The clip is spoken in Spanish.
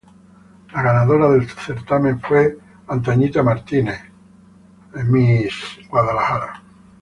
La ganadora del certamen fue Peggy Kopp, Miss Distrito Federal.